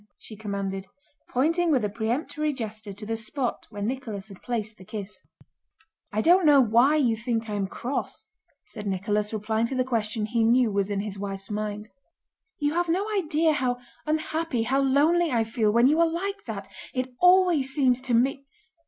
she commanded, pointing with a peremptory gesture to the spot where Nicholas had placed the kiss. "I don't know why you think I am cross," said Nicholas, replying to the question he knew was in his wife's mind. "You have no idea how unhappy, how lonely, I feel when you are like that. It always seems to me..."